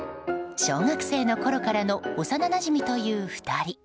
小学生のころからの幼なじみという２人。